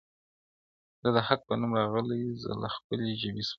زه د حق په نوم راغلی زه له خپلي ژبي سوځم -